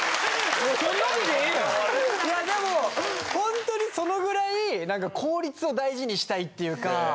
いやでもほんとにそのぐらい効率を大事にしたいっていうか。